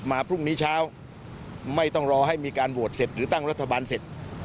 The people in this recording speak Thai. ไม่ต้องรอให้มีการโหวตเสร็จหรือตั้งรัฐบาลเสร็จ